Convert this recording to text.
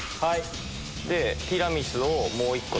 はい。